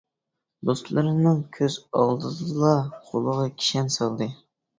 دوستلىرىنىڭ كۆز ئالدىدىلا قولىغا كېشەن سالدى.